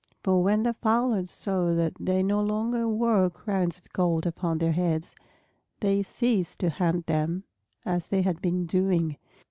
For when the fowlers saw that they no longer wore crowns of gold upon their heads, they ceased to hunt them as they had been doing.